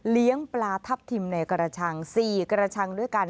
ปลาทับทิมในกระชัง๔กระชังด้วยกัน